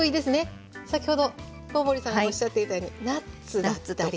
先ほど小堀さんがおっしゃっていたようにナッツだったり。